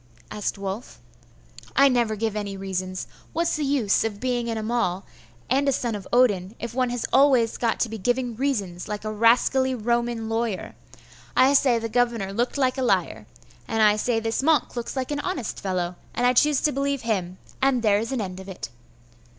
asked Wulf. 'I never give any reasons. What's the use of being an Amal, and a son of Odin, if one has always to be giving reasons like a rascally Roman lawyer? I say the governor looked like a liar; and I say this monk looks like an honest fellow; and I choose to believe him, and there is an end of it.